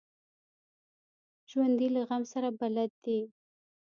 ژوندي له غم سره بلد دي